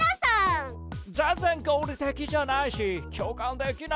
全然合理的じゃないし共感できないよ。